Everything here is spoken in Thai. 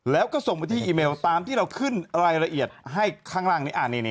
แล้วก็ส่งไปที่อีเมลตามที่เราขึ้นรายละเอียดให้ข้างล่างนี้